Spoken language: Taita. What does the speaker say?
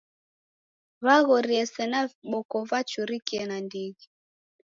W'aghorie sena viboko vachurikie nandighi.